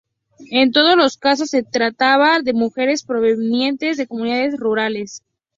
En todos los casos se trataba de mujeres provenientes de comunidades rurales.